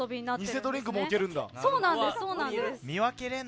にせドリンクも置けるんだ。